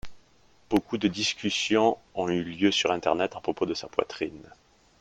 Beaucoup de discussions ont eu lieu sur internet à propos de sa poitrine.